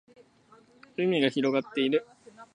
海が広がっている